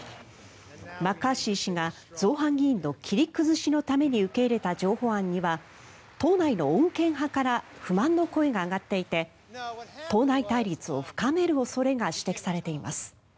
マッカーシー氏が造反議員の切り崩しのために受け入れた譲歩案には党内の穏健派から不満の声が上がっていて党内対立を深める恐れが指摘されています。